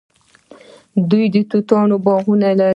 دوی د توتانو باغونه لري.